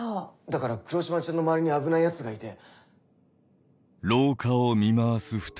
だから黒島ちゃんの周りに危ない奴がいて。